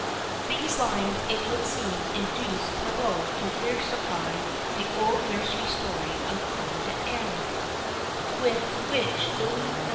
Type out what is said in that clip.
These lines it would seem induced Perrault to versify the old nursery story of Peau d'Ane, with which Louis XIV.